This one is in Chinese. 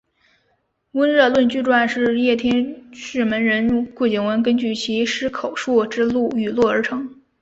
温热论据传是叶天士门人顾景文根据其师口授之语录而成。